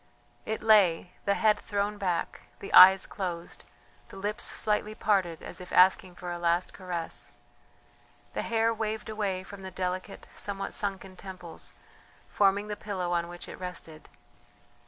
It lay, the head thrown back, the eyes closed, the lips slightly parted as if asking for a last caress. The hair waved away from the delicate, somewhat sunken temples, forming the pillow on which it rested.